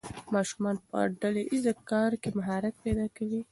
ماشومان په ډله ییز کار کې مهارت پیدا کوي.